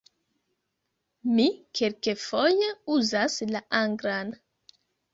Mi kelkfoje uzas la anglan.